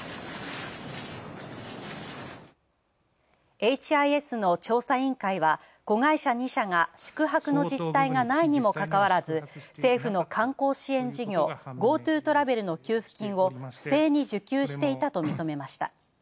エイチ・アイ・エスの調査委員会は子会社２社が、宿泊の実態がないにもかかわらず政府の観光支援事業ＧｏＴｏトラベルの給付金を不正に受給していたと認めました。